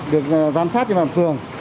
được giám sát trên bàn phường